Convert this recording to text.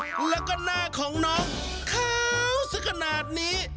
แล้วก็หน้าของน้องขาวสักขนาดนี้